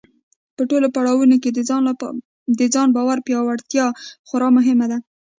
په ټولو پړاوونو کې د ځان باور پیاوړتیا خورا مهمه ده.